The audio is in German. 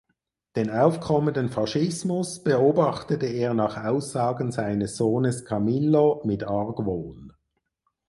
Den aufkommenden Faschismus beobachtete er nach Aussagen seines Sohnes Camillo mit Argwohn.